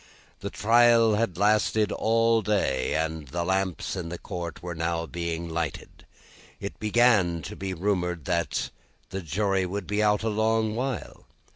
The trial had lasted all day, and the lamps in the court were now being lighted. It began to be rumoured that the jury would be out a long while.